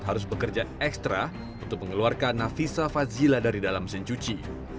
harus bekerja ekstra untuk mengeluarkan navisa fazila dari dalam mesin cuci